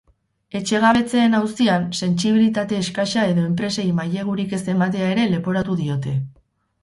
Etxegabetzeen auzian sentsibilitate eskasa edo enpresei mailegurik ez ematea ere leporatu diote.